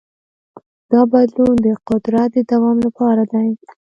دا بدلون د قدرت د دوام لپاره دی.